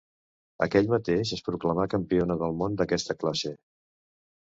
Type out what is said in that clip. Aquell mateix es proclamà campiona del món d'aquesta classe.